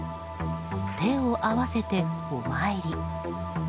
手を合わせてお参り。